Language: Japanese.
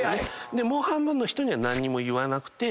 もう半分の人には何にも言わなくて。